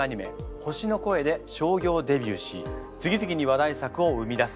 「ほしのこえ」で商業デビューし次々に話題作を生み出す。